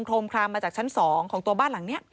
ลมคลามมาจากชั้น๒ของตัวบ้านหลังนี้